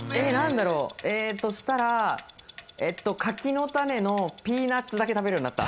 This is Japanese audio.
だとしたら、柿の種のピーナッツだけ食べるようになった。